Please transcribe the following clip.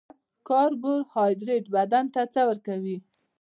کاربوهایدریت بدن ته څه ورکوي